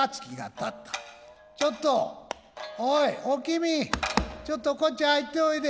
「ちょっとおいおきみちょっとこっちゃ入っておいで。